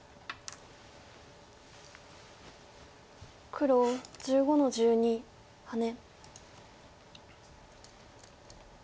黒１５の十二ハネ。